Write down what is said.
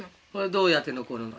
どうやって残るの？